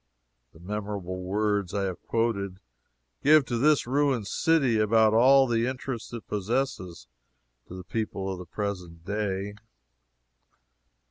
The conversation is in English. The memorable words I have quoted give to this ruined city about all the interest it possesses to people of the present day.